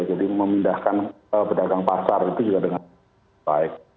jadi memindahkan pedagang pasar itu juga dengan baik